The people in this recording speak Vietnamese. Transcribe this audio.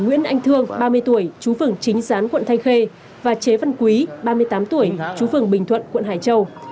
nguyễn anh thương ba mươi tuổi chú phường chính gián quận thanh khê và chế văn quý ba mươi tám tuổi chú phường bình thuận quận hải châu